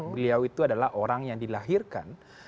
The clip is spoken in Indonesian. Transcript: beliau itu adalah orang yang dilahirkan